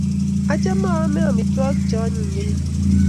Achame aame amitwogik che onyiny kila.